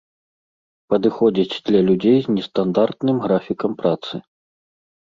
Падыходзіць для людзей з нестандартным графікам працы.